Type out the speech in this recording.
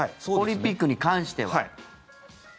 オリンピックに関しては。